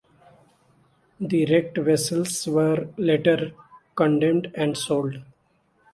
The wrecked vessels were later condemned and sold.